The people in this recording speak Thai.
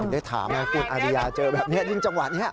เห็นได้ถามภูมิธรรยาเจอแบบนี้ยิ่งจังหวัดนี้